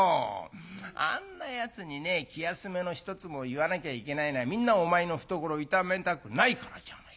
あんなやつにね気休めの一つも言わなきゃいけないのはみんなお前の懐を痛めたくないからじゃないか。